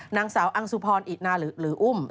นางสาวอังสุพรอินาหรืออุ้ม